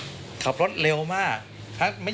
นี่ค่ะคุณผู้ชมพอเราคุยกับเพื่อนบ้านเสร็จแล้วนะน้า